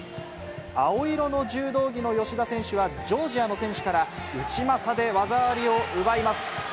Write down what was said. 青色の柔道着の芳田選手はジョージアの選手から内股で技ありを奪います。